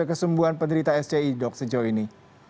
kesembuhan penderita sci dok sejauh ini